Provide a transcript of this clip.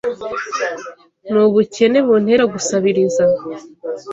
Nubukene buntera gusabiriza